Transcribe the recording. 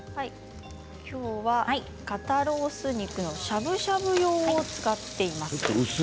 今日は肩ロース肉のしゃぶしゃぶ用を使っています。